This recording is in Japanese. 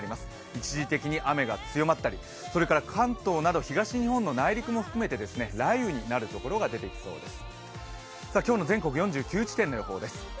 一時的に雨が強まったりそれから関東など東日本の内陸も含めて雷雨のなる所が出てきそうです。